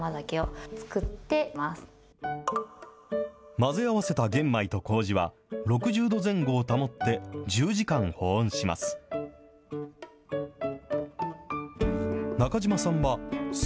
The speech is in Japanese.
混ぜ合わせた玄米とこうじは、６０度前後を保って１０時間保温します。